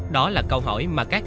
đó là câu hỏi mà các